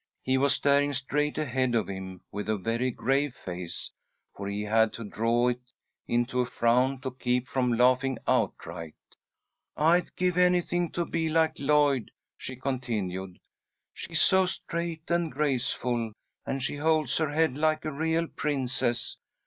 He was staring straight ahead of him with a very grave face, for he had to draw it into a frown to keep from laughing outright. "I'd give anything to be like Lloyd," she continued. "She's so straight and graceful, and she holds her head like a real princess.